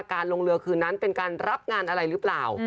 ลงเรือคืนนั้นเป็นการรับงานอะไรหรือเปล่า